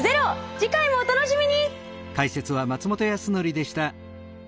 次回もお楽しみに！